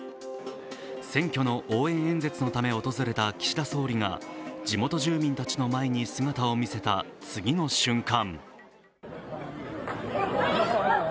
選挙の応援演説のために訪れた岸田総理が地元住民たちの前に姿を見せた次の瞬間